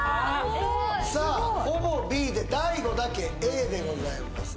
さあほぼＢで大悟だけＡでございます